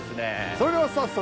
それでは早速。